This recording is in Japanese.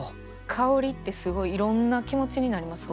香りってすごいいろんな気持ちになりますもんね。